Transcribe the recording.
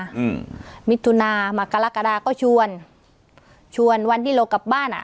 อืมมิถุนามากรกฎาก็ชวนชวนวันที่เรากลับบ้านอ่ะ